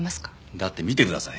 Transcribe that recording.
だって見てください。